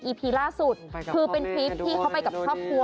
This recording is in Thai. พีล่าสุดคือเป็นคลิปที่เขาไปกับครอบครัว